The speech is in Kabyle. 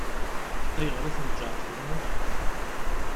Ayɣer i tneǧǧɛeḍ gma-k?